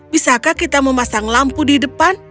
bisakah kita memasang lampu di depan